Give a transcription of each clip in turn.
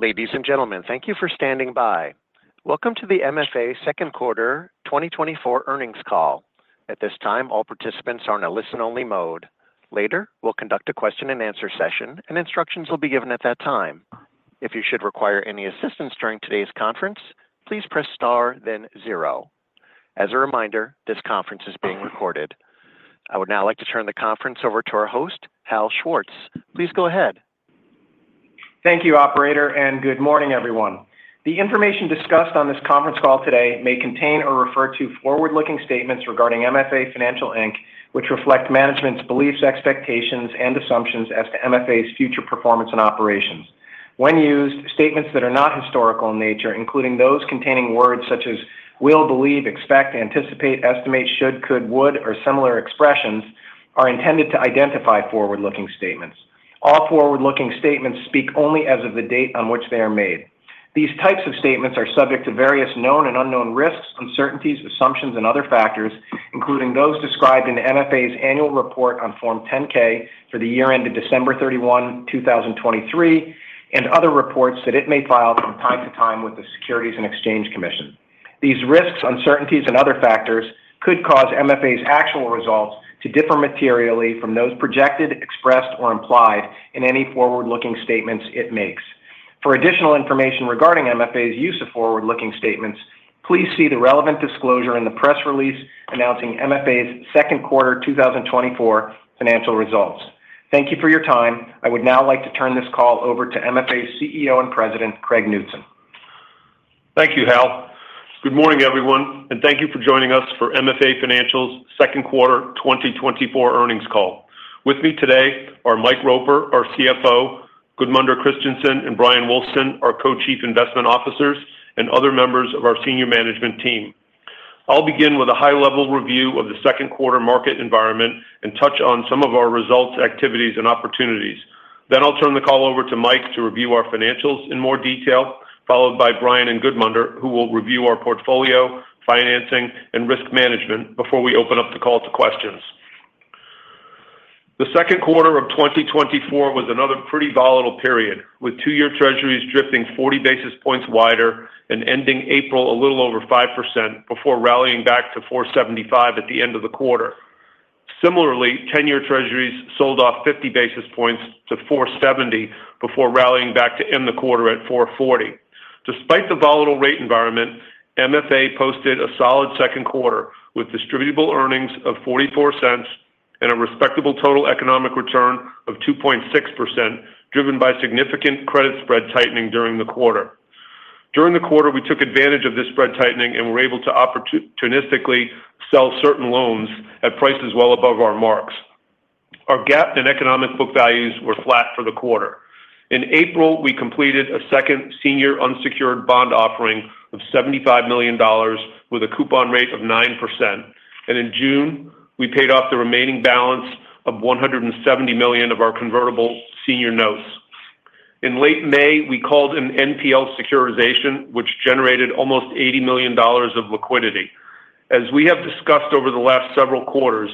Ladies and gentlemen, thank you for standing by. Welcome to the MFA second quarter 2024 earnings call. At this time, all participants are in a listen-only mode. Later, we'll conduct a question-and-answer session, and instructions will be given at that time. If you should require any assistance during today's conference, please press star then zero. As a reminder, this conference is being recorded. I would now like to turn the conference over to our host, Harold Schwartz. Please go ahead. Thank you, operator, and good morning, everyone. The information discussed on this conference call today may contain or refer to forward-looking statements regarding MFA Financial Inc, which reflect management's beliefs, expectations, and assumptions as to MFA's future performance and operations. When used, statements that are not historical in nature, including those containing words such as will, believe, expect, anticipate, estimate, should, could, would, or similar expressions, are intended to identify forward-looking statements. All forward-looking statements speak only as of the date on which they are made. These types of statements are subject to various known and unknown risks, uncertainties, assumptions, and other factors, including those described in MFA's annual report on Form 10-K for the year ended December 31, 2023, and other reports that it may file from time to time with the Securities and Exchange Commission. These risks, uncertainties and other factors could cause MFA's actual results to differ materially from those projected, expressed or implied in any forward-looking statements it makes. For additional information regarding MFA's use of forward-looking statements, please see the relevant disclosure in the press release announcing MFA's second quarter 2024 financial results. Thank you for your time. I would now like to turn this call over to MFA's CEO and President, Craig Knutson. Thank you, Hal. Good morning, everyone, and thank you for joining us for MFA Financial's Second Quarter 2024 Earnings Call. With me today are Mike Roper, our CFO, Gudmundur Kristjansson and Bryan Wulfsohn, our Co-Chief Investment Officers, and other members of our senior management team. I'll begin with a high-level review of the second quarter market environment and touch on some of our results, activities, and opportunities. Then I'll turn the call over to Mike to review our financials in more detail, followed by Bryan and Gudmundur, who will review our portfolio, financing, and risk management before we open up the call to questions. The second quarter of 2024 was another pretty volatile period, with 2-year Treasuries drifting 40 basis points wider and ending April a little over 5% before rallying back to 4.75% at the end of the quarter. Similarly, ten-year Treasuries sold off 50 basis points to 4.70% before rallying back to end the quarter at 4.40%. Despite the volatile rate environment, MFA posted a solid second quarter with distributable earnings of $0.44 and a respectable total economic return of 2.6%, driven by significant credit spread tightening during the quarter. During the quarter, we took advantage of this spread tightening and were able to opportunistically sell certain loans at prices well above our marks. Our GAAP and economic book values were flat for the quarter. In April, we completed a second senior unsecured bond offering of $75 million with a coupon rate of 9%, and in June, we paid off the remaining balance of $170 million of our convertible senior notes. In late May, we called an NPL securitization, which generated almost $80 million of liquidity. As we have discussed over the last several quarters,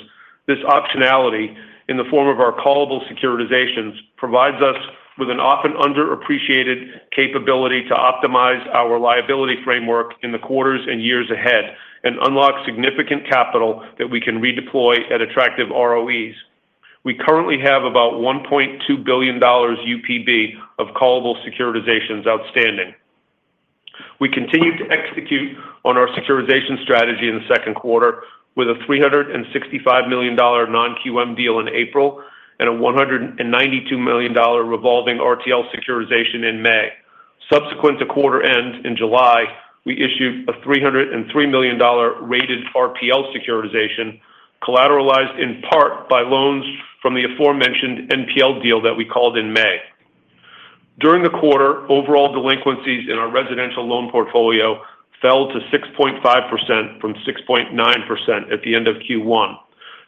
this optionality, in the form of our callable securitizations, provides us with an often underappreciated capability to optimize our liability framework in the quarters and years ahead and unlock significant capital that we can redeploy at attractive ROEs. We currently have about $1.2 billion UPB of callable securitizations outstanding. We continued to execute on our securitization strategy in the second quarter with a $365 million non-QM deal in April and a $192 million revolving RTL securitization in May. Subsequent to quarter end in July, we issued a $303 million rated RPL securitization, collateralized in part by loans from the aforementioned NPL deal that we called in May. During the quarter, overall delinquencies in our residential loan portfolio fell to 6.5% from 6.9% at the end of Q1.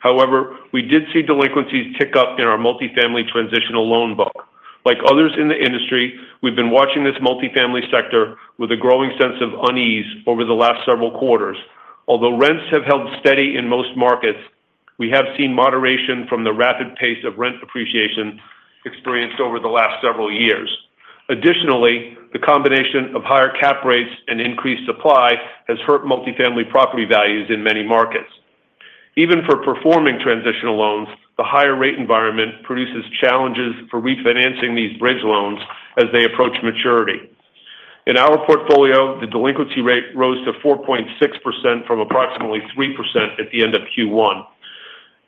However, we did see delinquencies tick up in our multifamily transitional loan book. Like others in the industry, we've been watching this multifamily sector with a growing sense of unease over the last several quarters. Although rents have held steady in most markets, we have seen moderation from the rapid pace of rent appreciation experienced over the last several years. Additionally, the combination of higher cap rates and increased supply has hurt multifamily property values in many markets. Even for performing transitional loans, the higher rate environment produces challenges for refinancing these bridge loans as they approach maturity. In our portfolio, the delinquency rate rose to 4.6% from approximately 3% at the end of Q1.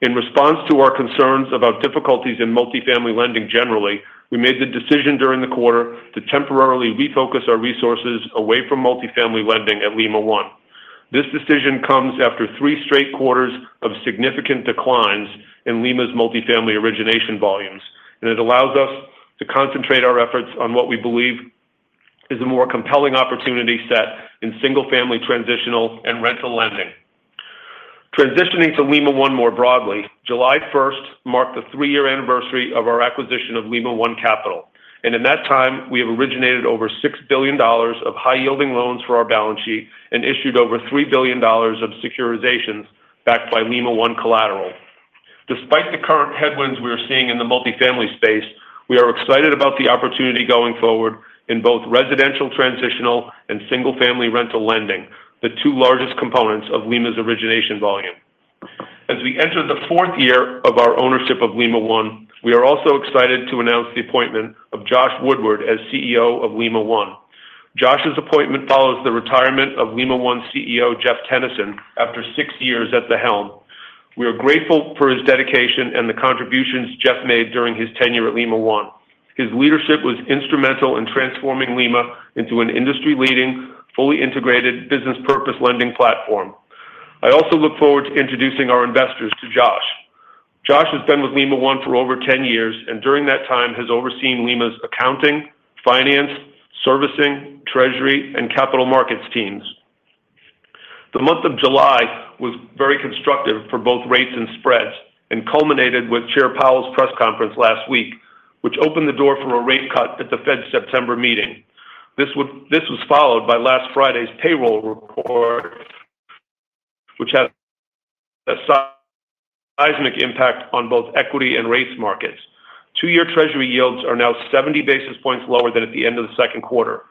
In response to our concerns about difficulties in multifamily lending generally, we made the decision during the quarter to temporarily refocus our resources away from multifamily lending at Lima One. This decision comes after three straight quarters of significant declines in Lima's multifamily origination volumes, and it allows us to concentrate our efforts on what we believe is a more compelling opportunity set in single-family, transitional, and rental lending. Transitioning to Lima One more broadly, July first marked the three-year anniversary of our acquisition of Lima One Capital, and in that time, we have originated over $6 billion of high-yielding loans for our balance sheet and issued over $3 billion of securitizations backed by Lima One collateral.... Despite the current headwinds we are seeing in the multifamily space, we are excited about the opportunity going forward in both residential, transitional, and single-family rental lending, the two largest components of Lima's origination volume. As we enter the fourth year of our ownership of Lima One, we are also excited to announce the appointment of Josh Woodward as CEO of Lima One. Josh's appointment follows the retirement of Lima One's CEO, Jeff Tennyson, after six years at the helm. We are grateful for his dedication and the contributions Jeff made during his tenure at Lima One. His leadership was instrumental in transforming Lima into an industry-leading, fully integrated business purpose lending platform. I also look forward to introducing our investors to Josh. Josh has been with Lima One for over 10 years, and during that time has overseen Lima's accounting, finance, servicing, treasury, and capital markets teams. The month of July was very constructive for both rates and spreads, and culminated with Chair Powell's press conference last week, which opened the door for a rate cut at the Fed's September meeting. This was followed by last Friday's payroll report, which had a seismic impact on both equity and rates markets. Two-year Treasury yields are now 70 basis points lower than at the end of the second quarter.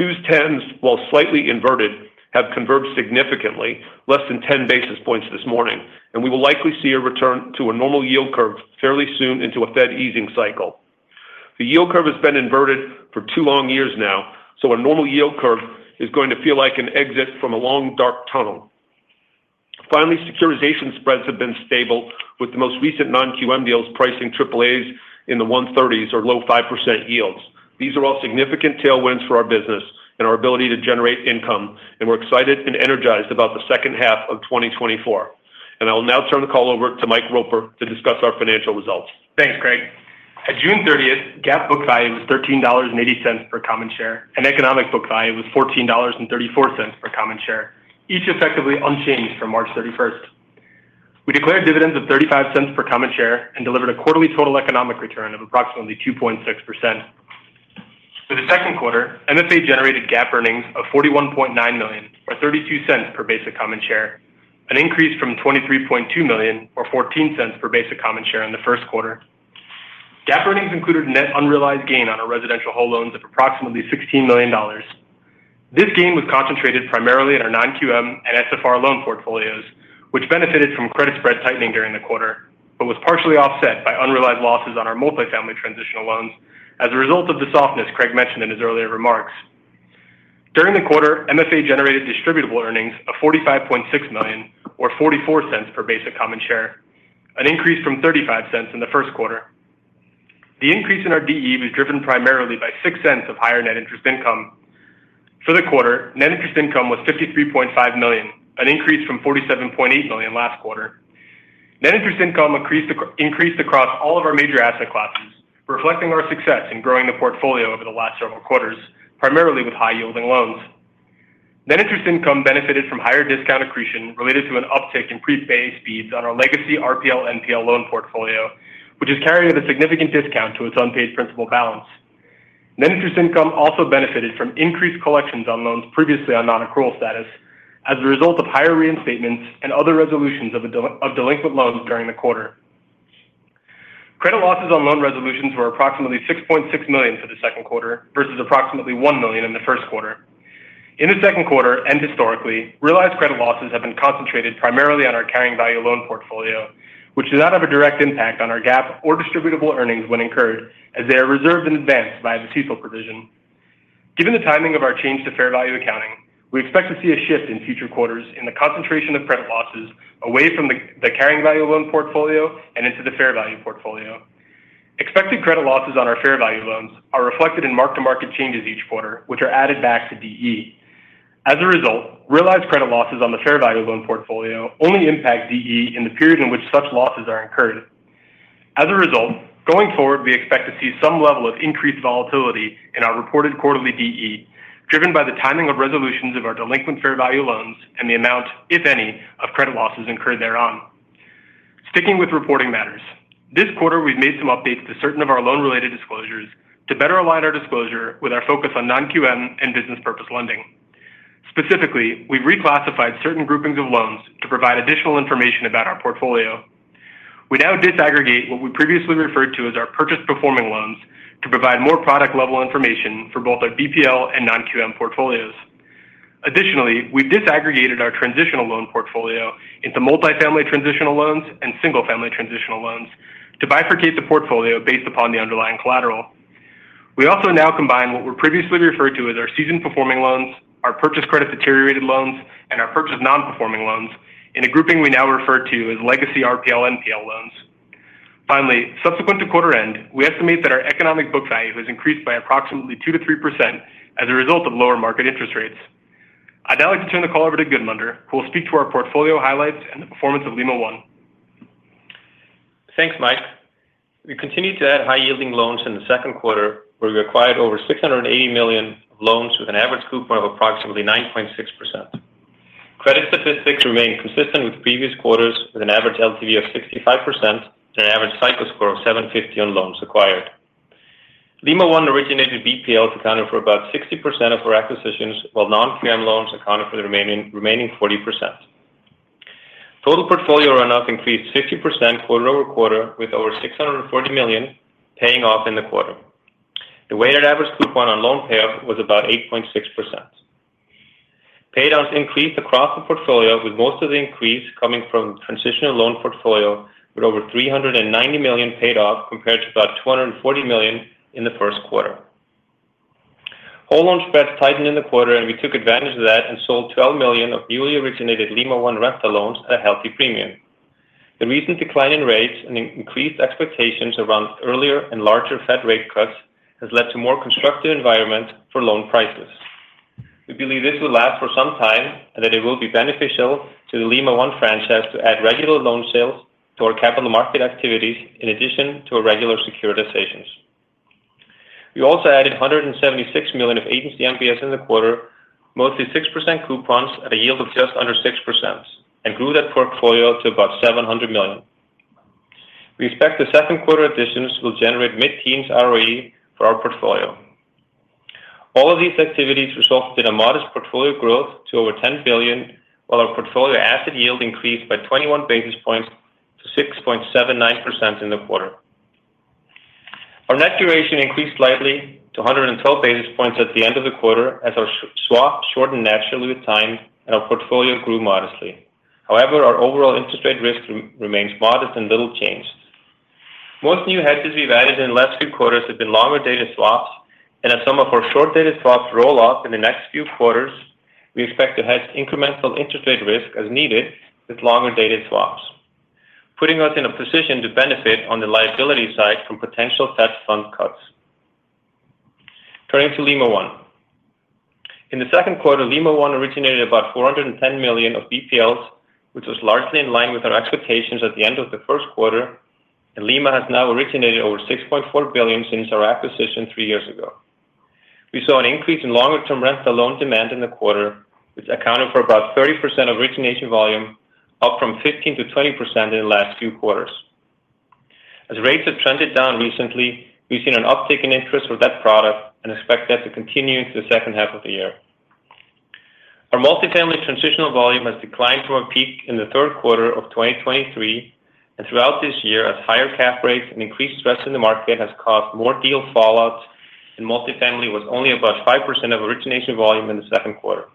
2s/10s, while slightly inverted, have converged significantly, less than 10 basis points this morning, and we will likely see a return to a normal yield curve fairly soon into a Fed easing cycle. The yield curve has been inverted for two long years now, so a normal yield curve is going to feel like an exit from a long, dark tunnel. Finally, securitization spreads have been stable, with the most recent non-QM deals pricing triple A's in the one-thirties or low 5% yields. These are all significant tailwinds for our business and our ability to generate income, and we're excited and energized about the second half of 2024. I will now turn the call over to Mike Roper to discuss our financial results. Thanks, Craig. At June 30th, GAAP book value was $13.80 per common share, and economic book value was $14.34 per common share, each effectively unchanged from March 31st. We declared dividends of $0.35 per common share and delivered a quarterly total economic return of approximately 2.6%. For the second quarter, MFA generated GAAP earnings of $41.9 million or $0.32 per basic common share, an increase from $23.2 million or $0.14 per basic common share in the first quarter. GAAP earnings included net unrealized gain on our residential whole loans of approximately $16 million. This gain was concentrated primarily in our non-QM and SFR loan portfolios, which benefited from credit spread tightening during the quarter, but was partially offset by unrealized losses on our multifamily transitional loans as a result of the softness Craig mentioned in his earlier remarks. During the quarter, MFA generated distributable earnings of $45.6 million or $0.44 per basic common share, an increase from $0.35 in the first quarter. The increase in our DE was driven primarily by $0.06 of higher net interest income. For the quarter, net interest income was $53.5 million, an increase from $47.8 million last quarter. Net interest income increased across all of our major asset classes, reflecting our success in growing the portfolio over the last several quarters, primarily with high-yielding loans. Net interest income benefited from higher discount accretion related to an uptick in prepay speeds on our legacy RPL NPL loan portfolio, which is carrying at a significant discount to its unpaid principal balance. Net interest income also benefited from increased collections on loans previously on non-accrual status as a result of higher reinstatements and other resolutions of delinquent loans during the quarter. Credit losses on loan resolutions were approximately $6.6 million for the second quarter versus approximately $1 million in the first quarter. In the second quarter, and historically, realized credit losses have been concentrated primarily on our carrying value loan portfolio, which does not have a direct impact on our GAAP or distributable earnings when incurred, as they are reserved in advance by the CECL provision. Given the timing of our change to fair value accounting, we expect to see a shift in future quarters in the concentration of credit losses away from the carrying value loan portfolio and into the fair value portfolio. Expected credit losses on our fair value loans are reflected in mark-to-market changes each quarter, which are added back to DE. As a result, realized credit losses on the fair value loan portfolio only impact DE in the periods in which such losses are incurred. As a result, going forward, we expect to see some level of increased volatility in our reported quarterly DE, driven by the timing of resolutions of our delinquent fair value loans and the amount, if any, of credit losses incurred thereon. Sticking with reporting matters, this quarter, we've made some updates to certain of our loan-related disclosures to better align our disclosure with our focus on non-QM and business purpose lending. Specifically, we've reclassified certain groupings of loans to provide additional information about our portfolio. We now disaggregate what we previously referred to as our purchase performing loans to provide more product-level information for both our BPL and non-QM portfolios. Additionally, we've disaggregated our transitional loan portfolio into multifamily transitional loans and single-family transitional loans to bifurcate the portfolio based upon the underlying collateral. We also now combine what were previously referred to as our seasoned performing loans, our purchase credit deteriorated loans, and our purchase non-performing loans in a grouping we now refer to as legacy RPL/NPL loans. Finally, subsequent to quarter end, we estimate that our economic book value has increased by approximately 2%-3% as a result of lower market interest rates. I'd now like to turn the call over to Gudmundur, who will speak to our portfolio highlights and the performance of Lima One. Thanks, Mike. We continued to add high-yielding loans in the second quarter, where we acquired over $680 million loans with an average coupon of approximately 9.6%. Credit statistics remained consistent with previous quarters, with an average LTV of 65% and an average FICO score of 750 on loans acquired. Lima One originated BPL to account for about 60% of our acquisitions, while non-QM loans accounted for the remaining forty percent. Total portfolio runoff increased 50% quarter-over-quarter, with over $640 million paying off in the quarter. The weighted average coupon on loan payoff was about 8.6%. Paydowns increased across the portfolio, with most of the increase coming from transitional loan portfolio, with over $390 million paid off, compared to about $240 million in the first quarter. All loan spreads tightened in the quarter, and we took advantage of that and sold $12 million of newly originated Lima One rental loans at a healthy premium. The recent decline in rates and increased expectations around earlier and larger Fed rate cuts has led to more constructive environment for loan prices. We believe this will last for some time and that it will be beneficial to the Lima One franchise to add regular loan sales to our capital market activities, in addition to our regular securitizations. We also added $176 million of Agency MBS in the quarter, mostly 6% coupons at a yield of just under 6%, and grew that portfolio to about $700 million. We expect the second quarter additions will generate mid-teens ROE for our portfolio. All of these activities resulted in a modest portfolio growth to over $10 billion, while our portfolio asset yield increased by 21 basis points to 6.79% in the quarter. Our net duration increased slightly to 112 basis points at the end of the quarter, as our swap shortened naturally with time and our portfolio grew modestly. However, our overall interest rate risk remains modest and little changed. Most new hedges we've added in the last few quarters have been longer-dated swaps, and as some of our short-dated swaps roll off in the next few quarters, we expect to hedge incremental interest rate risk as needed with longer-dated swaps, putting us in a position to benefit on the liability side from potential Fed fund cuts. Turning to Lima One. In the second quarter, Lima One originated about $410 million of BPLs, which was largely in line with our expectations at the end of the first quarter, and Lima has now originated over $6.4 billion since our acquisition three years ago. We saw an increase in longer-term rental loan demand in the quarter, which accounted for about 30% of origination volume, up from 15%-20% in the last few quarters. As rates have trended down recently, we've seen an uptick in interest for that product and expect that to continue into the second half of the year. Our multifamily transitional volume has declined from a peak in the third quarter of 2023, and throughout this year, as higher cap rates and increased stress in the market has caused more deal fallouts, and multifamily was only about 5% of origination volume in the second quarter.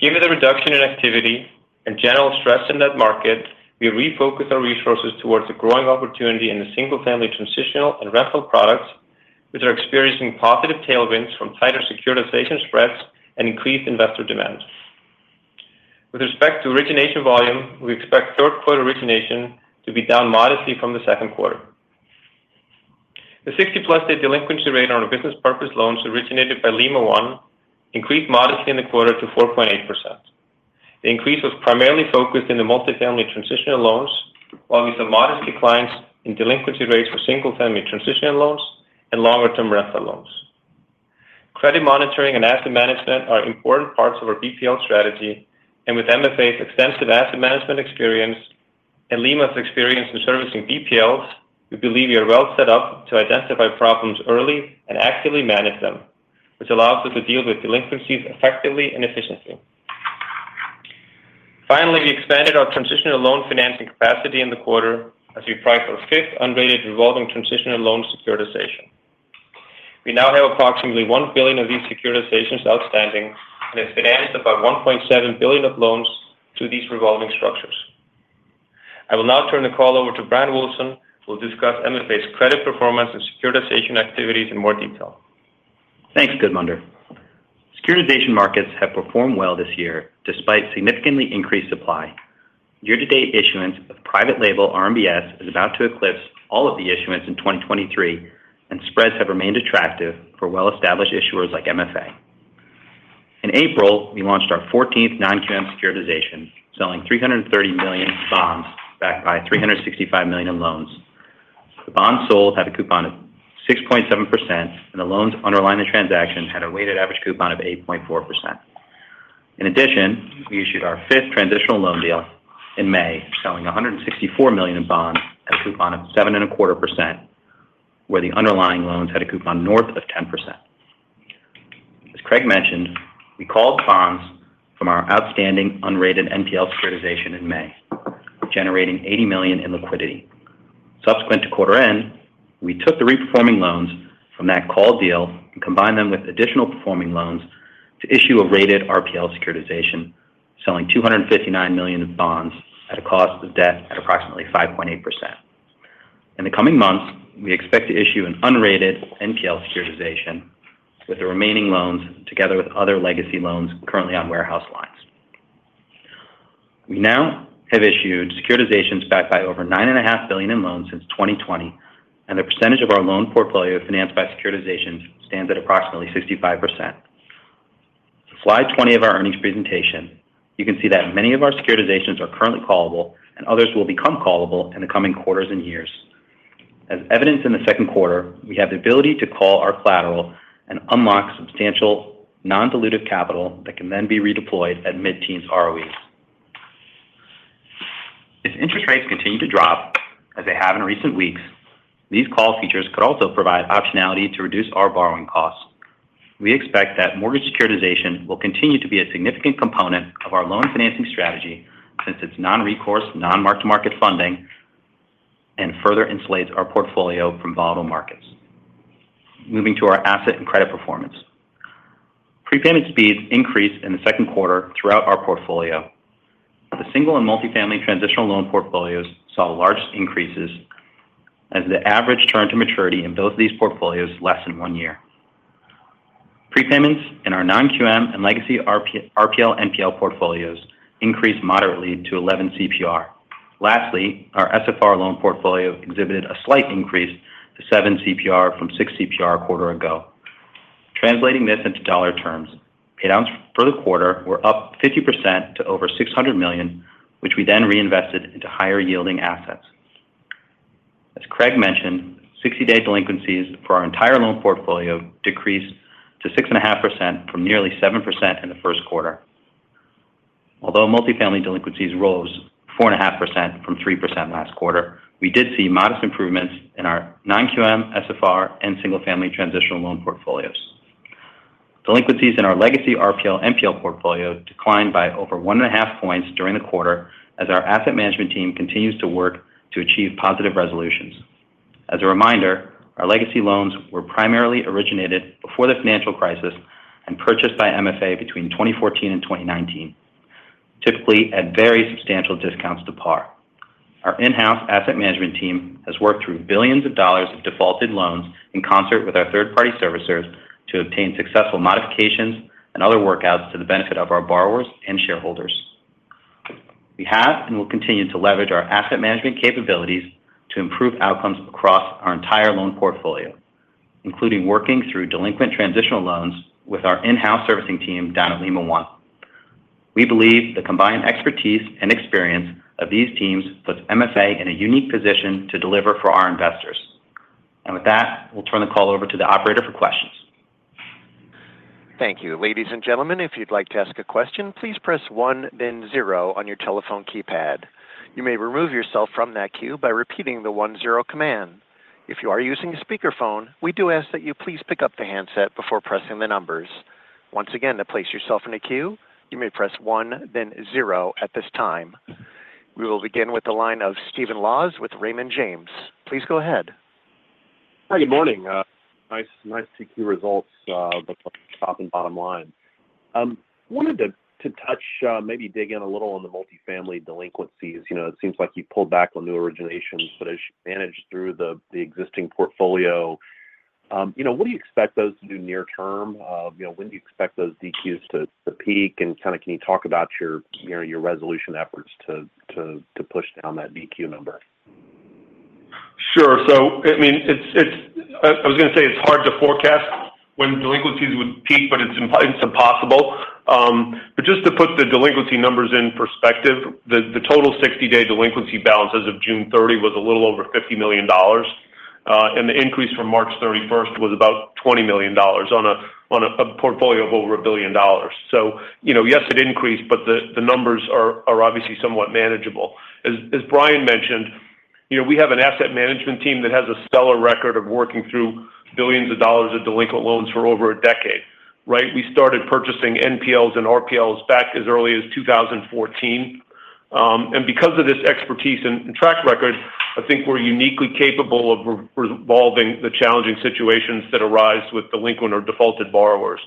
Given the reduction in activity and general stress in that market, we refocused our resources towards a growing opportunity in the single-family transitional and rental products, which are experiencing positive tailwinds from tighter securitization spreads and increased investor demand. With respect to origination volume, we expect third quarter origination to be down modestly from the second quarter. The 60+ day delinquency rate on our business purpose loans originated by Lima One increased modestly in the quarter to 4.8%. The increase was primarily focused in the multifamily transitional loans, while we saw modest declines in delinquency rates for single-family transitional loans and longer-term rental loans. Credit monitoring and asset management are important parts of our BPL strategy, and with MFA's extensive asset management experience and Lima's experience in servicing BPLs, we believe we are well set up to identify problems early and actively manage them, which allows us to deal with delinquencies effectively and efficiently. Finally, we expanded our transitional loan financing capacity in the quarter as we priced our fifth unrated revolving transitional loan securitization. We now have approximately $1 billion of these securitizations outstanding, and it's financed about $1.7 billion of loans through these revolving structures. I will now turn the call over to Bryan Wulfsohn, who will discuss MFA's credit performance and securitization activities in more detail. Thanks, Gudmundur. Securitization markets have performed well this year, despite significantly increased supply. Year-to-date issuance of private label RMBS is about to eclipse all of the issuance in 2023, and spreads have remained attractive for well-established issuers like MFA. In April, we launched our 14th non-QM securitization, selling $330 million bonds backed by $365 million in loans. The bonds sold had a coupon of 6.7%, and the loans underlying the transaction had a weighted average coupon of 8.4%. In addition, we issued our 5th transitional loan deal in May, selling $164 million in bonds at a coupon of 7.25%, where the underlying loans had a coupon north of 10%. As Craig mentioned, we called bonds from our outstanding unrated NPL securitization in May, generating $80 million in liquidity. Subsequent to quarter end, we took the re-performing loans from that callable deal and combined them with additional performing loans to issue a rated RPL securitization, selling $259 million in bonds at a cost of debt at approximately 5.8%. In the coming months, we expect to issue an unrated NPL securitization with the remaining loans, together with other legacy loans currently on warehouse lines. We now have issued securitizations backed by over $9.5 billion in loans since 2020, and the percentage of our loan portfolio financed by securitizations stands at approximately 65%. Slide 20 of our earnings presentation, you can see that many of our securitizations are currently callable, and others will become callable in the coming quarters and years. As evidenced in the second quarter, we have the ability to call our collateral and unlock substantial non-dilutive capital that can then be redeployed at mid-teens ROEs. If interest rates continue to drop, as they have in recent weeks, these call features could also provide optionality to reduce our borrowing costs. We expect that mortgage securitization will continue to be a significant component of our loan financing strategy, since it's non-recourse, non-mark-to-market funding, and further insulates our portfolio from volatile markets. Moving to our asset and credit performance. Prepayment speeds increased in the second quarter throughout our portfolio. The single-family and multifamily transitional loan portfolios saw large increases as the average turn to maturity in both of these portfolios less than one year. Prepayments in our non-QM and legacy RPL/NPL portfolios increased moderately to 11 CPR. Lastly, our SFR loan portfolio exhibited a slight increase to 7 CPR from 6 CPR a quarter ago. Translating this into dollar terms, paydowns for the quarter were up 50% to over $600 million, which we then reinvested into higher-yielding assets. As Craig mentioned, sixty-day delinquencies for our entire loan portfolio decreased to 6.5% from nearly 7% in the first quarter. Although multifamily delinquencies rose 4.5% from 3% last quarter, we did see modest improvements in our non-QM, SFR, and single-family transitional loan portfolios. Delinquencies in our legacy RPL NPL portfolio declined by over 1.5 points during the quarter, as our asset management team continues to work to achieve positive resolutions. As a reminder, our legacy loans were primarily originated before the financial crisis and purchased by MFA between 2014 and 2019, typically at very substantial discounts to par. Our in-house asset management team has worked through billions of dollars of defaulted loans in concert with our third-party servicers to obtain successful modifications and other workouts to the benefit of our borrowers and shareholders. We have and will continue to leverage our asset management capabilities to improve outcomes across our entire loan portfolio, including working through delinquent transitional loans with our in-house servicing team down at Lima One. We believe the combined expertise and experience of these teams puts MFA in a unique position to deliver for our investors. With that, we'll turn the call over to the operator for questions. Thank you. Ladies and gentlemen, if you'd like to ask a question, please press star, then one on your telephone keypad. You may remove yourself from that queue by repeating the one, zero command. If you are using a speakerphone, we do ask that you please pick up the handset before pressing the numbers. Once again, to place yourself in a queue, you may press one, then zero at this time. We will begin with the line of Stephen Laws with Raymond James. Please go ahead. Good morning. Nice, nice to see results, both top and bottom line. Wanted to touch, maybe dig in a little on the multifamily delinquencies. You know, it seems like you pulled back on new originations, but as you manage through the existing portfolio, you know, what do you expect those to do near term? You know, when do you expect those DQs to peak, and kinda can you talk about your, you know, your resolution efforts to push down that DQ number? Sure. So, I mean, it's hard to forecast when delinquencies would peak, but it's impossible. But just to put the delinquency numbers in perspective, the total 60-day delinquency balance as of June 30 was a little over $50 million, and the increase from March 31 was about $20 million on a portfolio of over $1 billion. So, you know, yes, it increased, but the numbers are obviously somewhat manageable. As Bryan mentioned, you know, we have an asset management team that has a stellar record of working through billions of dollars of delinquent loans for over a decade, right? We started purchasing NPLs and RPLs back as early as 2014. And because of this expertise and track record, I think we're uniquely capable of re-resolving the challenging situations that arise with delinquent or defaulted borrowers.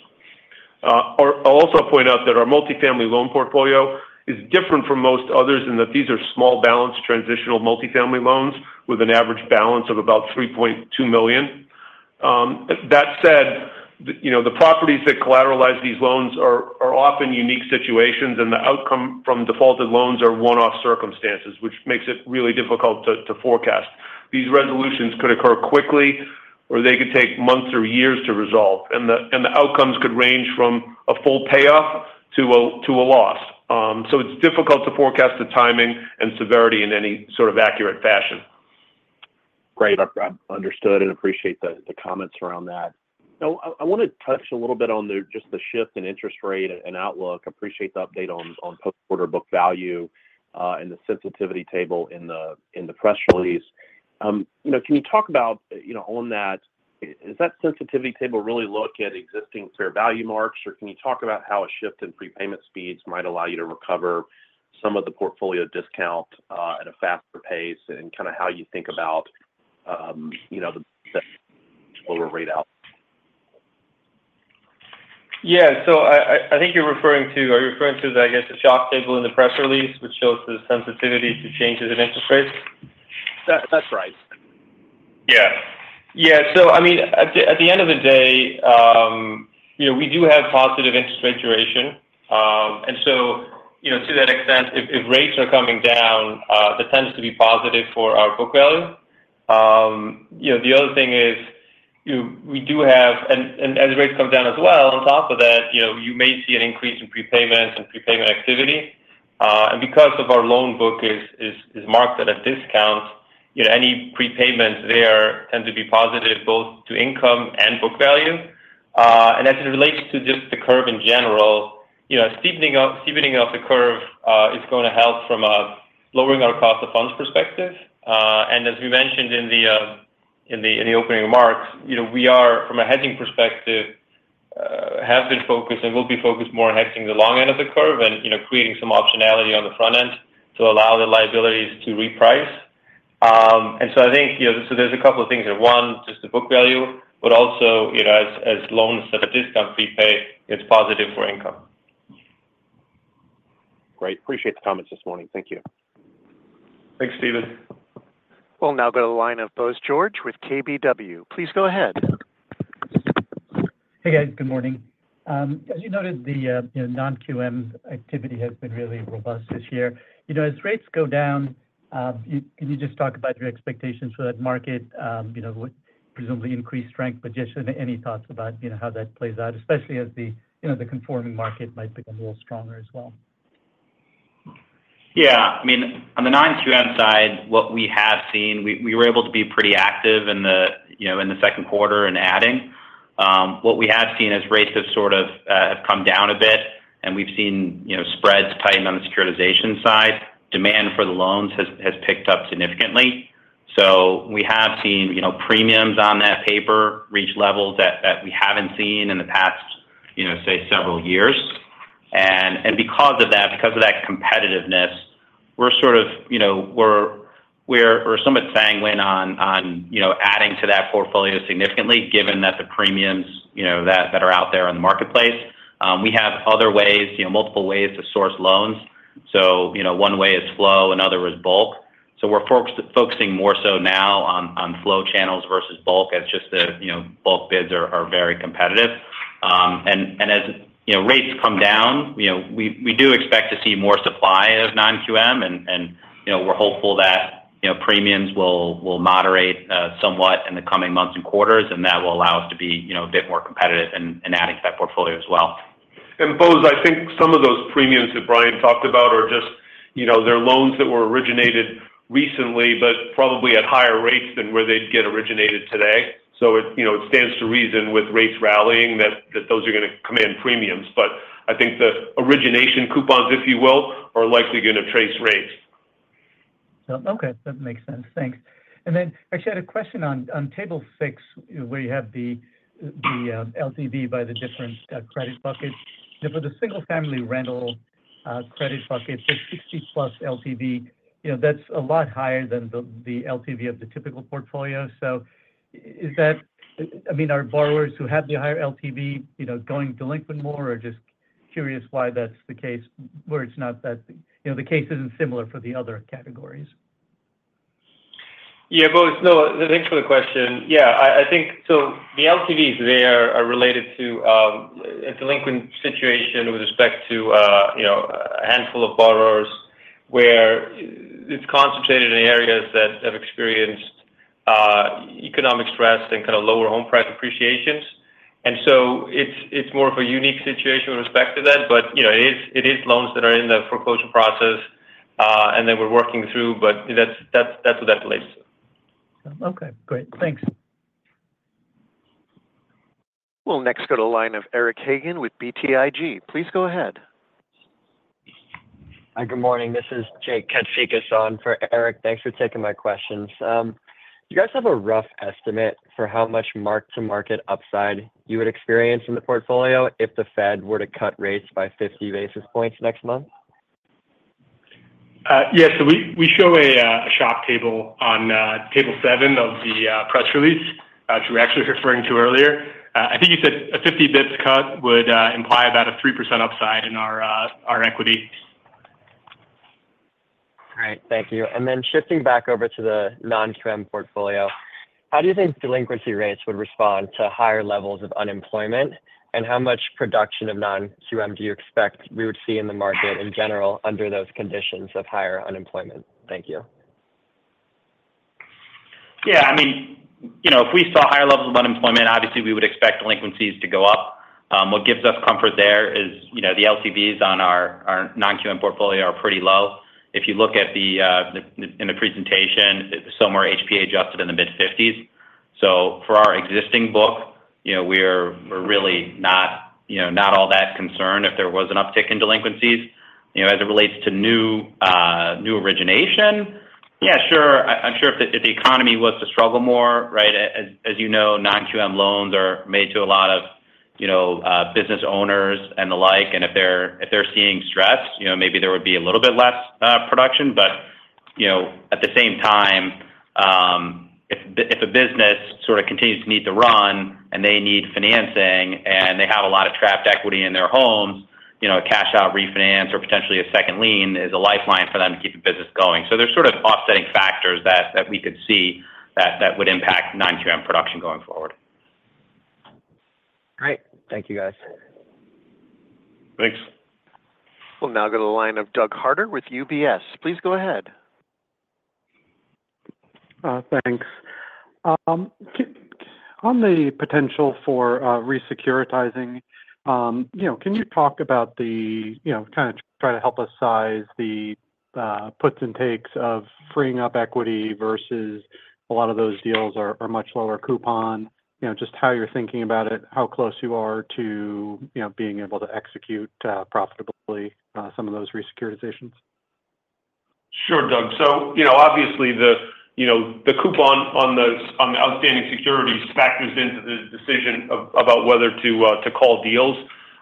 I'll also point out that our multifamily loan portfolio is different from most others in that these are small balance transitional multifamily loans with an average balance of about $3.2 million. That said, you know, the properties that collateralize these loans are often unique situations, and the outcome from defaulted loans are one-off circumstances, which makes it really difficult to forecast. These resolutions could occur quickly, or they could take months or years to resolve, and the outcomes could range from a full payoff to a loss. So it's difficult to forecast the timing and severity in any sort of accurate fashion. Great. I understood and appreciate the comments around that. Now, I want to touch a little bit on just the shift in interest rate and outlook. Appreciate the update on post-quarter book value and the sensitivity table in the press release. You know, can you talk about, you know, on that, does that sensitivity table really look at existing fair value marks, or can you talk about how a shift in prepayment speeds might allow you to recover some of the portfolio discount at a faster pace and kind of how you think about, you know, the overall rate outlook? Yeah. So I think you're referring to—are you referring to, I guess, the shock table in the press release, which shows the sensitivity to changes in interest rates? That, that's right. Yeah. Yeah, so I mean, at the end of the day, you know, we do have positive interest rate duration. And so, you know, to that extent, if rates are coming down, that tends to be positive for our book value. You know, the other thing is, we do have... And as rates come down as well, on top of that, you know, you may see an increase in prepayments and prepayment activity. And because our loan book is marked at a discount, you know, any prepayments there tend to be positive both to income and book value. And as it relates to just the curve in general-... you know, steepening up, steepening off the curve, is gonna help from a lowering our cost of funds perspective. And as we mentioned in the opening remarks, you know, we are, from a hedging perspective, have been focused and will be focused more on hedging the long end of the curve and, you know, creating some optionality on the front end to allow the liabilities to reprice. And so I think, you know, so there's a couple of things there. One, just the book value, but also, you know, as loans that are discount prepay, it's positive for income. Great. Appreciate the comments this morning. Thank you. Thanks, Steven. We'll now go to the line of Bose George with KBW. Please go ahead. Hey, guys. Good morning. As you noted, the, you know, non-QM activity has been really robust this year. You know, as rates go down, can you just talk about your expectations for that market, you know, would presumably increase strength, but just any thoughts about, you know, how that plays out, especially as the, you know, the conforming market might become a little stronger as well? Yeah, I mean, on the non-QM side, what we have seen, we were able to be pretty active in the second quarter in adding. What we have seen as rates have sort of have come down a bit, and we've seen, you know, spreads tighten on the securitization side. Demand for the loans has picked up significantly. So we have seen, you know, premiums on that paper reach levels that we haven't seen in the past, you know, say, several years. And because of that competitiveness, we're sort of, you know, we're somewhat sanguine on adding to that portfolio significantly, given that the premiums, you know, that are out there in the marketplace. We have other ways, you know, multiple ways to source loans. So, you know, one way is flow, another is bulk. So we're focusing more so now on flow channels versus bulk, as just the, you know, bulk bids are very competitive. And as, you know, rates come down, you know, we do expect to see more supply of non-QM and, you know, we're hopeful that, you know, premiums will moderate somewhat in the coming months and quarters, and that will allow us to be, you know, a bit more competitive in adding to that portfolio as well. And Bose, I think some of those premiums that Bryan talked about are just, you know, they're loans that were originated recently, but probably at higher rates than where they'd get originated today. So it, you know, it stands to reason with rates rallying that, that those are going to command premiums. But I think the origination coupons, if you will, are likely going to trace rates. Oh, okay. That makes sense. Thanks. And then I actually had a question on table 6, where you have the LTV by the different credit buckets. For the single-family rental credit bucket, the 60+ LTV, you know, that's a lot higher than the LTV of the typical portfolio. So is that—I mean, are borrowers who have the higher LTV, you know, going delinquent more? Or just curious why that's the case, where it's not that. You know, the case isn't similar for the other categories. Yeah, Bose. No, thanks for the question. Yeah, I, I think so the LTVs there are related to a delinquent situation with respect to you know, a handful of borrowers, where it's concentrated in areas that have experienced economic stress and kind of lower home price appreciations. And so it's, it's more of a unique situation with respect to that, but you know, it is, it is loans that are in the foreclosure process and that we're working through, but that's, that's, that's what that relates to. Okay, great. Thanks. We'll next go to the line of Eric Hagen with BTIG. Please go ahead. Hi, good morning. This is Jake Katsikas on for Eric. Thanks for taking my questions. Do you guys have a rough estimate for how much mark-to-market upside you would experience in the portfolio if the Fed were to cut rates by 50 basis points next month? Yes, so we show a shock table on table 7 of the press release, which we're actually referring to earlier. I think you said a 50 basis points cut would imply about a 3% upside in our equity. All right. Thank you. And then shifting back over to the non-QM portfolio, how do you think delinquency rates would respond to higher levels of unemployment? And how much production of non-QM do you expect we would see in the market in general, under those conditions of higher unemployment? Thank you. Yeah, I mean, you know, if we saw higher levels of unemployment, obviously we would expect delinquencies to go up. What gives us comfort there is, you know, the LTVs on our non-QM portfolio are pretty low. If you look at the in the presentation, somewhere HPA adjusted in the mid-fifties. So for our existing book, you know, we're really not, you know, not all that concerned if there was an uptick in delinquencies. You know, as it relates to new new origination, yeah, sure, I'm sure if the, if the economy was to struggle more, right, as, as you know, non-QM loans are made to a lot of, you know, business owners and the like. And if they're, if they're seeing stress, you know, maybe there would be a little bit less production. But, you know, at the same time, if a business sort of continues to need to run and they need financing, and they have a lot of trapped equity in their homes, you know, a cash-out refinance or potentially a second lien is a lifeline for them to keep the business going. So there's sort of offsetting factors that we could see that would impact non-QM production going forward. Great. Thank you, guys. Thanks. We'll now go to the line of Doug Harter with UBS. Please go ahead. Thanks. Comment on the potential for re-securitizing, you know. Can you talk about the, you know, kind of try to help us size the puts and takes of freeing up equity versus a lot of those deals are much lower coupon? You know, just how you're thinking about it, how close you are to, you know, being able to execute profitably some of those re-securitizations? Sure, Doug. So, you know, obviously the coupon on the outstanding securities factors into the decision of- about whether to call deals.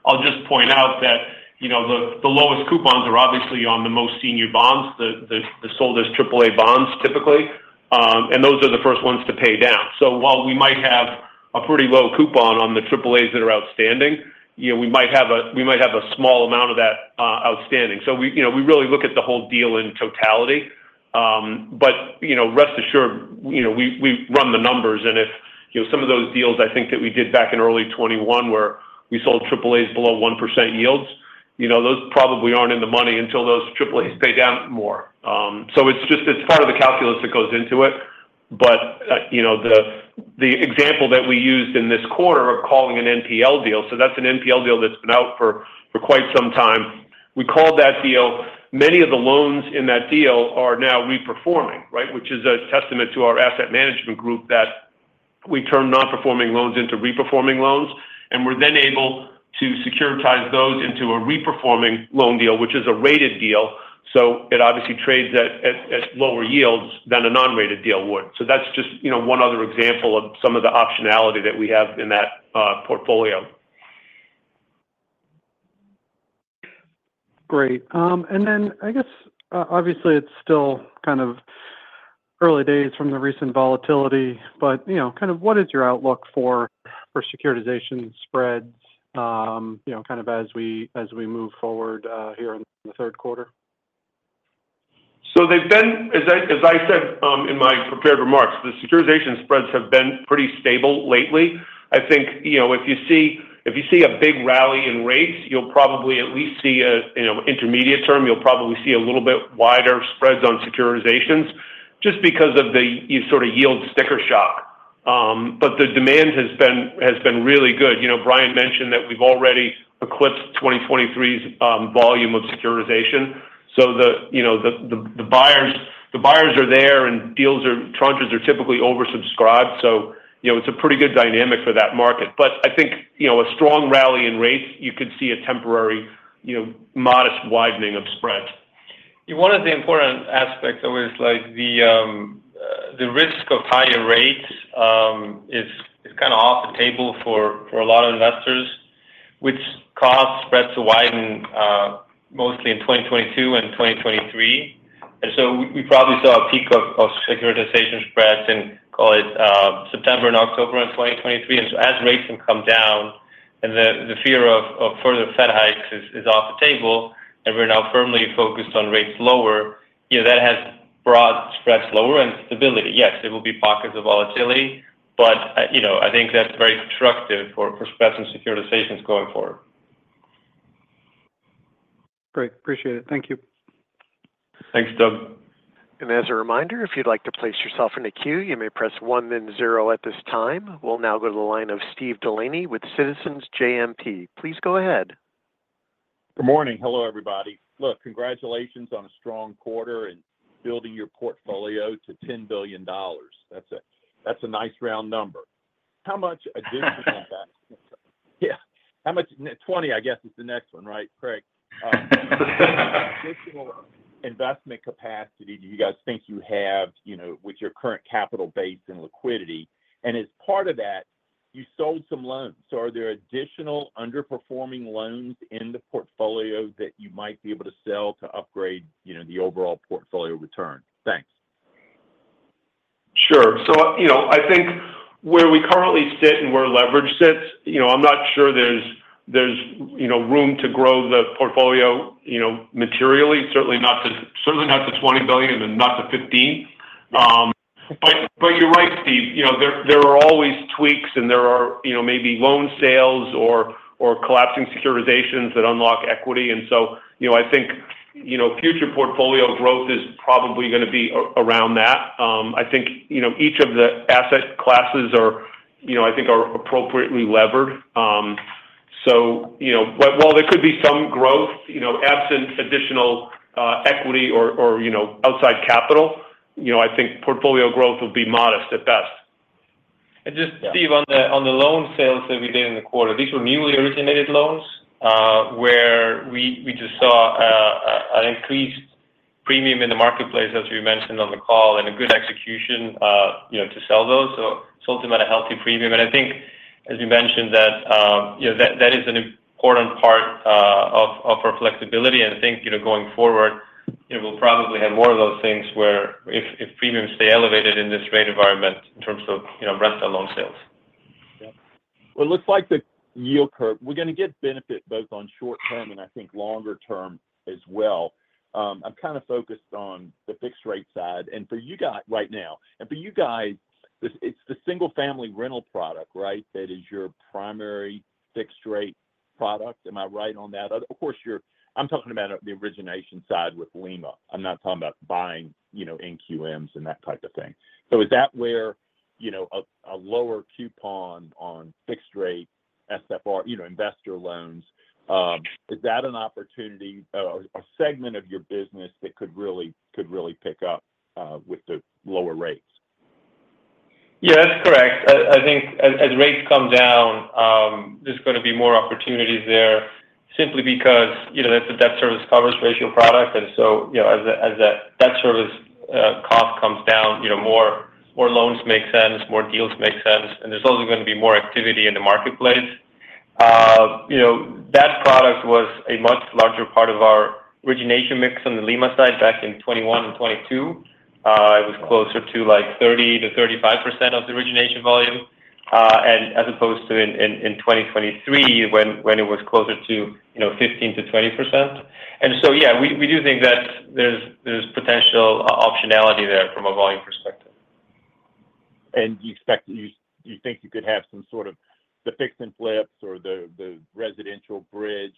I'll just point out that, you know, the lowest coupons are obviously on the most senior bonds, the sold as triple A bonds, typically. And those are the first ones to pay down. So while we might have a pretty low coupon on the triple A's that are outstanding, you know, we might have a small amount of that outstanding. So, you know, we really look at the whole deal in totality. But, you know, rest assured, you know, we run the numbers, and if, you know, some of those deals I think that we did back in early 2021, where we sold triple-A's below 1% yields, you know, those probably aren't in the money until those triple-A's pay down more. So it's just, it's part of the calculus that goes into it. But, you know, the example that we used in this quarter of calling an NPL deal, so that's an NPL deal that's been out for quite some time. We called that deal. Many of the loans in that deal are now re-performing, right? Which is a testament to our asset management group, that we turn non-performing loans into re-performing loans, and we're then able to securitize those into a re-performing loan deal, which is a rated deal. So it obviously trades at lower yields than a non-rated deal would. So that's just, you know, one other example of some of the optionality that we have in that portfolio. Great. And then I guess, obviously, it's still kind of early days from the recent volatility, but, you know, kind of what is your outlook for, for securitization spreads, you know, kind of as we, as we move forward, here in the third quarter? So they've been—as I said, in my prepared remarks, the securitization spreads have been pretty stable lately. I think, you know, if you see a big rally in rates, you'll probably at least see a, you know, intermediate term. You'll probably see a little bit wider spreads on securitizations just because of the sort of yield sticker shock. But the demand has been really good. You know, Bryan mentioned that we've already eclipsed 2023's volume of securitization. So the, you know, the buyers are there, and deals or tranches are typically oversubscribed. So, you know, it's a pretty good dynamic for that market. But I think, you know, a strong rally in rates, you could see a temporary, you know, modest widening of spreads. Yeah, one of the important aspects, though, is like the risk of higher rates is kind of off the table for a lot of investors, which caused spreads to widen, mostly in 2022 and 2023. And so we probably saw a peak of securitization spreads in, call it, September and October of 2023. And so as rates have come down and the fear of further Fed hikes is off the table, and we're now firmly focused on rates lower, yeah, that has brought spreads lower and stability. Yes, there will be pockets of volatility, but, you know, I think that's very constructive for spreads and securitizations going forward. Great. Appreciate it. Thank you. Thanks, Doug. As a reminder, if you'd like to place yourself in a queue, you may press one then zero at this time. We'll now go to the line of Steve Delaney with Citizens JMP. Please go ahead. Good morning. Hello, everybody. Look, congratulations on a strong quarter and building your portfolio to $10 billion. That's a, that's a nice round number. How much additional- Yeah, how much... 20, I guess, is the next one, right, Craig? Additional investment capacity do you guys think you have, you know, with your current capital base and liquidity? And as part of that, you sold some loans. So are there additional underperforming loans in the portfolio that you might be able to sell to upgrade, you know, the overall portfolio return? Thanks. Sure. So, you know, I think where we currently sit and where leverage sits, you know, I'm not sure there's you know, room to grow the portfolio, you know, materially. Certainly not to $20 billion and not to $15 billion. But you're right, Steve, you know, there are always tweaks, and there are, you know, maybe loan sales or collapsing securitizations that unlock equity. And so, you know, I think, you know, future portfolio growth is probably gonna be around that. I think, you know, each of the asset classes are, you know, I think appropriately levered. So, you know, while there could be some growth, you know, absent additional equity or, you know, outside capital, you know, I think portfolio growth would be modest at best. And just, Steve, on the loan sales that we did in the quarter, these were newly originated loans, where we just saw an increased premium in the marketplace, as we mentioned on the call, and a good execution, you know, to sell those. So sold them at a healthy premium. And I think, as you mentioned, that, you know, that, that is an important part of our flexibility. And I think, you know, going forward, you know, we'll probably have more of those things where if premiums stay elevated in this rate environment in terms of, you know, rental loan sales. Yeah. Well, it looks like the yield curve, we're going to get benefit both on short term and I think longer term as well. I'm kind of focused on the fixed rate side, and for you guys right now. And for you guys, it's the single-family rental product, right? That is your primary fixed rate product. Am I right on that? Of course, I'm talking about the origination side with Lima. I'm not talking about buying, you know, NQMs and that type of thing. So is that where, you know, a lower coupon on fixed rate, SFR, you know, investor loans is that an opportunity or a segment of your business that could really, could really pick up with the lower rates? Yeah, that's correct. I think as rates come down, there's gonna be more opportunities there simply because, you know, that's a debt service coverage ratio product, and so, you know, as the debt service cost comes down, you know, more loans make sense, more deals make sense, and there's also gonna be more activity in the marketplace. You know, that product was a much larger part of our origination mix on the Lima side back in 2021 and 2022. It was closer to, like, 30%-35% of the origination volume, and as opposed to in 2023, when it was closer to, you know, 15%-20%. And so, yeah, we do think that there's potential optionality there from a volume perspective. And do you expect, do you, do you think you could have some sort of the fix and flips or the, the residential bridge?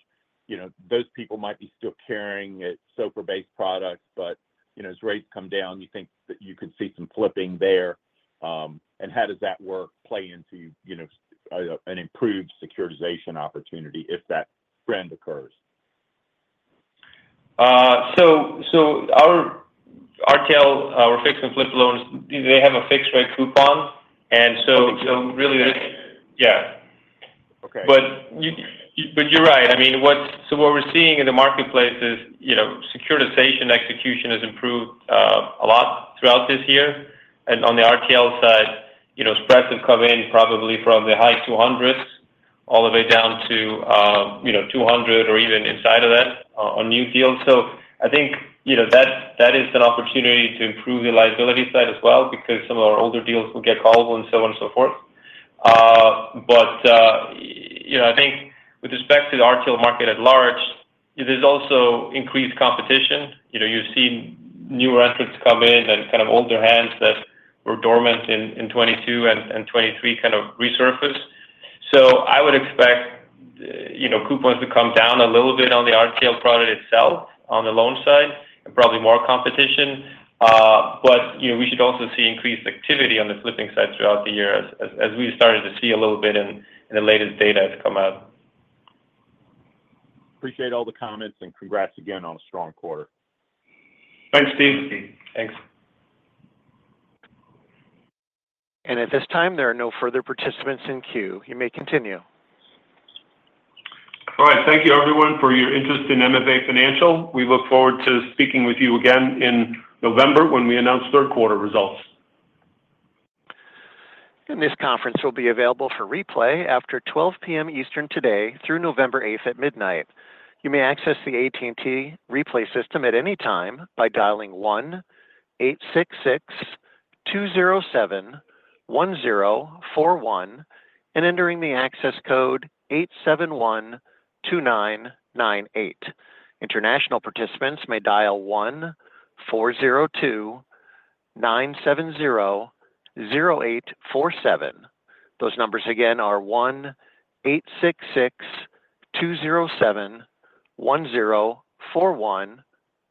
You know, those people might be still carrying it, SOFR-based products, but, you know, as rates come down, you think that you could see some flipping there. And how does that work play into, you know, an improved securitization opportunity if that trend occurs? So our RTL, our fix and flip loans, they have a fixed-rate coupon, and so- Okay. So really, yeah. Okay. But you, but you're right. I mean, so what we're seeing in the marketplace is, you know, securitization execution has improved a lot throughout this year. And on the RTL side, you know, spreads have come in probably from the high 200s, all the way down to, you know, 200 or even inside of that on new deals. So I think, you know, that, that is an opportunity to improve the liability side as well because some of our older deals will get callable and so on and so forth. But, you know, I think with respect to the RTL market at large, there's also increased competition. You know, you've seen new entrants come in and kind of older hands that were dormant in 2022 and 2023 kind of resurface. So I would expect, you know, coupons to come down a little bit on the RTL product itself, on the loan side, and probably more competition. But, you know, we should also see increased activity on the flipping side throughout the year as we started to see a little bit in the latest data that's come out. Appreciate all the comments, and congrats again on a strong quarter. Thanks, Steve. Thanks. At this time, there are no further participants in queue. You may continue. All right. Thank you, everyone, for your interest in MFA Financial. We look forward to speaking with you again in November when we announce third quarter results. This conference will be available for replay after 12:00 P.M. Eastern today through November eighth at midnight. You may access the AT&T replay system at any time by dialing 1-866-207-1041 and entering the access code 8712998. International participants may dial 1-402-970-0847. Those numbers again are 1-866-207-1041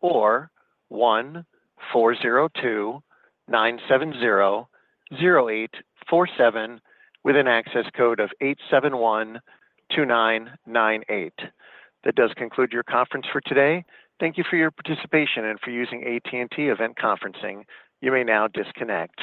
or 1-402-970-0847, with an access code of 8712998. That does conclude your conference for today. Thank you for your participation and for using AT&T event conferencing. You may now disconnect.